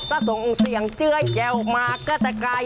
ก็ส่งเสียงเจี้ยแย่ลมาก็แต่กัย